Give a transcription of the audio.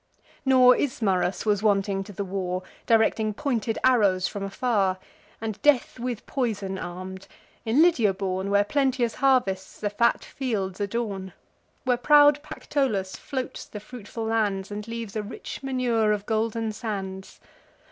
Nor Ismarus was wanting to the war, Directing pointed arrows from afar, And death with poison arm'd—in Lydia born, Where plenteous harvests the fat fields adorn; Where proud Pactolus floats the fruitful lands, And leaves a rich manure of golden sands.